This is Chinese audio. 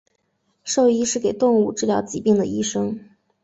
兽医是给动物治疗疾病的医生。